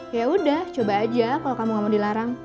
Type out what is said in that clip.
yaudah coba aja kalau kamu nggak mau dilarang